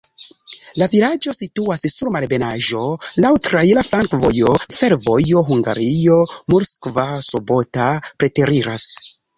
La vilaĝo situas sur malebenaĵo, laŭ traira flanka vojo, fervojo Hungario-Murska Sobota preteriras.